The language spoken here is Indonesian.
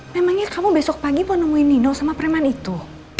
memangnya kamu besok pagi mau nemuin nino sama preman itu